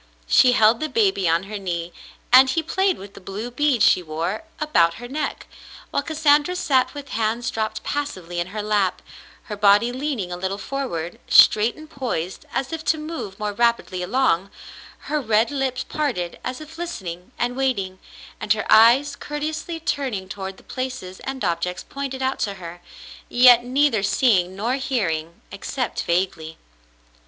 She held the baby on her knee, and he played with the blue beads she wore about her neck, while Cas sandra sat with hands dropped passively in her lap, her body leaning a little forward, straight and poised as if to move more rapidly along, her red lips parted as if listening and waiting, and her eyes courteously turning toward the places and objects pointed out to her, yet neither seeing nor hearing, except vaguely.